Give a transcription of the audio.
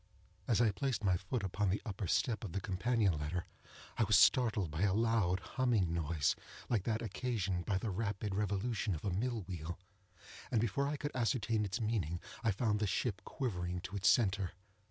As I placed my foot upon the upper step of the companion ladder, I was startled by a loud, humming noise, like that occasioned by the rapid revolution of a mill wheel, and before I could ascertain its meaning, I found the ship quivering to its centre.